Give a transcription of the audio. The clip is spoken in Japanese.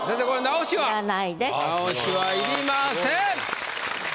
直しはいりません。